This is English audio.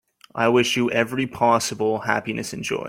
I wish you every possible happiness and joy.